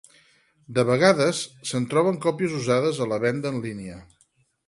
De vegades, se'n troben còpies usades a la venda en línia.